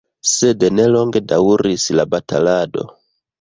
Sed ne longe daŭris la batalado.